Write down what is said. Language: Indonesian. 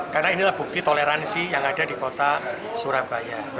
karena inilah bukti toleransi yang ada di kota surabaya